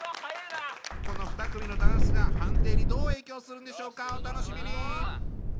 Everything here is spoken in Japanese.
この２組のダンスが判定にどう影響するんでしょうかお楽しみに。